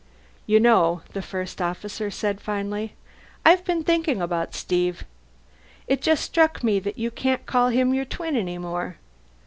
"You know," the First Officer said finally, "I've been thinking about Steve. It just struck me that you can't call him your twin any more.